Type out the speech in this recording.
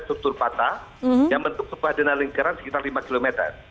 struktur patah yang bentuk sebuah dana lingkaran sekitar lima km